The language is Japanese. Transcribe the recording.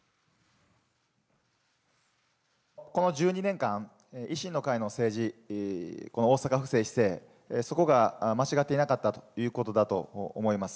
この１２年間、維新の会の政治、この大阪府政、市政、そこが間違っていなかったということだと思います。